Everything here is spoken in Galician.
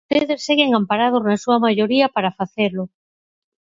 E vostedes seguen amparados na súa maioría para facelo.